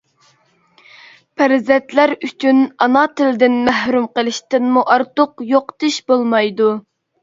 پەرزەنتلەر ئۈچۈن ئانا تىلدىن مەھرۇم قېلىشتىنمۇ ئارتۇق يوقىتىش بولمايدۇ.